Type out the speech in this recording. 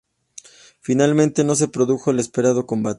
Finalmente no se produjo el esperado combate.